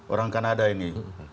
orang kanada ini